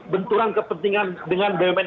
benturan kepentingan dengan bumn